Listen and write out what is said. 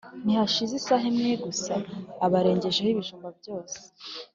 ntihashize isaha imwe gusa aba arengejeho ibijumba byokeje.